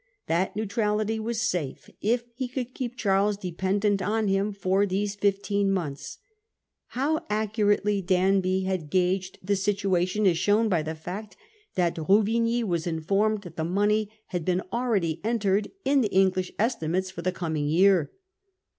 That neutrality was safe if he could keep Charles dependent on him for these fifteen months. How accurately Danby had gauged the situation is shown by the fact that Ruvigny was informed that the money Second had been a l rea< ty entered in the English esti enga^ement mates for the coming year.